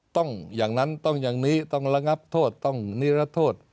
ต้องอย่างนั้นต้องอย่างนี้ต้องระงับโทษต้องนิรโทษ